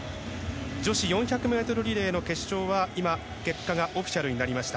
女子４００ｍリレーの決勝は今、結果がオフィシャルになりました。